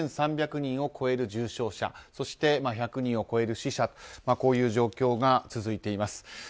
１３００人を超える重症者そして、１００人を超える死者という状況が続いています。